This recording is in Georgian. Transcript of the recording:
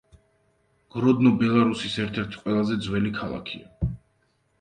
გროდნო ბელარუსის ერთ-ერთი ყველაზე ძველი ქალაქია.